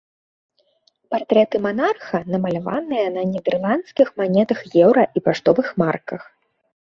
Партрэты манарха намаляваныя на нідэрландскіх манетах еўра і паштовых марках.